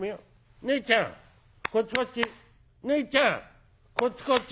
ねえちゃんこっちこっち。